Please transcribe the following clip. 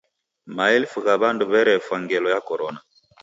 Maelfu gha w'andu w'erefwa ngelo ya Korona.